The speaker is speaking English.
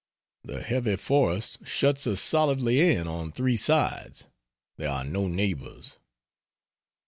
The heavy forest shuts us solidly in on three sides there are no neighbors.